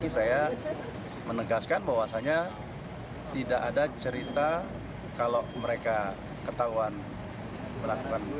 saya menegaskan bahwasannya tidak ada cerita kalau mereka ketahuan melakukan